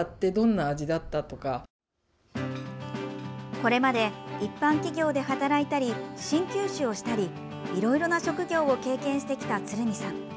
これまで一般企業で働いたり鍼灸師をしたりいろいろな職業を経験してきた鶴見さん。